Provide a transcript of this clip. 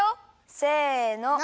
せの！